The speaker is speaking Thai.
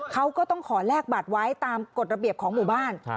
เขาก็ต้องขอแลกบัตรไว้ตามกฎระเบียบของหมู่บ้าน